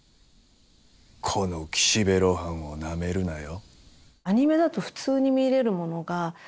この岸辺露伴をなめるなよ。